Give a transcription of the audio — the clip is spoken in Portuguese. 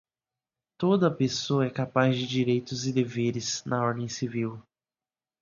Toda pessoa é capaz de direitos e deveres na ordem civil.